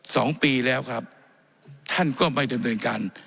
สองปีแล้วครับท่านก็ไม่ดำเนินการ